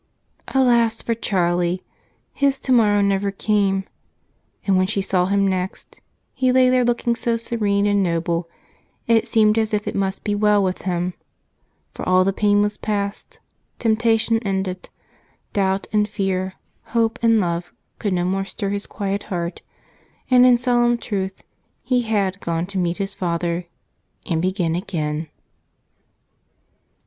Alas for Charlie! His tomorrow never came, and when she saw him next, he lay there looking so serene and noble, it seemed as if it must be well with him, for all the pain was past; temptation ended; doubt and fear, hope and love, could no more stir his quiet heart, and in solemn truth he had gone to meet his Father, and begin again.